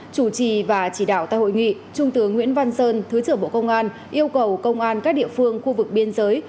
chủ trì và chỉ đạo tại hội nghị trung tướng nguyễn văn sơn thứ trưởng bộ công an yêu cầu công an các địa phương khu vực biên giới